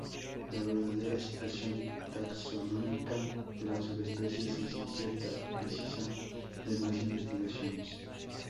La verdadera situación taxonómica de las subespecies es incierta y precisa de más investigaciones.